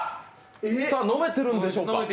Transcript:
さあ、飲めてるんでしょうか？